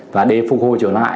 và để phục hồi trở lại